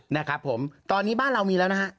นะครับผมตอนนี้บ้านเรามีแล้วนะฮะ